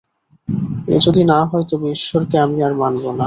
এ যদি না হয় তবে ঈশ্বরকে আমি আর মানব না।